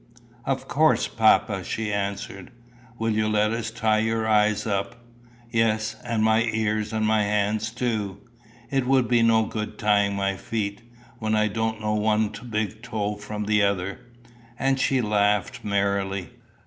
"Of course, papa," she answered. "Will you let us tie your eyes up?" "Yes; and my ears and my hands too. It would be no good tying my feet, when I don't know one big toe from the other." And she laughed merrily.